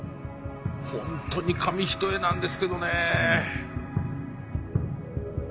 ホントに紙一重なんですけどね。